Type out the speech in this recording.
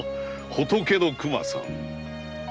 “仏の熊さん”？